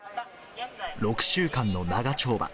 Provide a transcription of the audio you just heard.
６週間の長丁場。